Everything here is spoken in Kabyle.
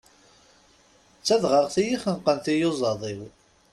D tadɣaɣat iyi-xenqen tiyuẓaḍ-iw.